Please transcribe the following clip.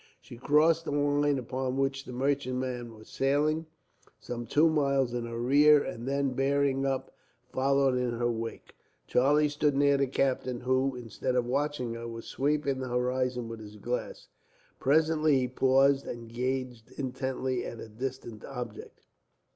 She crossed the line upon which the merchantman was sailing, some two miles in her rear; and then, bearing up, followed in her wake. Charlie stood near the captain, who, instead of watching her, was sweeping the horizon with his glass. Presently he paused, and gazed intently at a distant object.